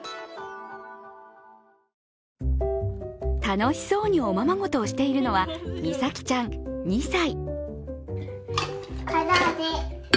楽しそうにおままごとをしているのは、みさきちゃん２歳。